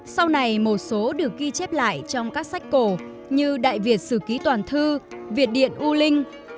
sau này một số được ghi chép lại trong các sách cổ như đại việt sử ký toàn thư việt điện u linh